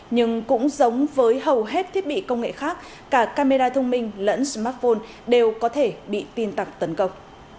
nhưng cũng giống với hầu hết thiết bị công nghệ khác cả camera thông minh lẫn smartphone đều có thể bị tin tặc tấn công